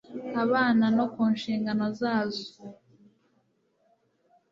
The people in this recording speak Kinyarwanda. abana no ku nshingano zazo